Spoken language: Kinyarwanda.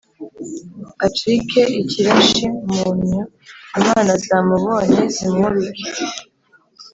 acike ikirashi mu nnyo/ imana zamubonye/ zimwubike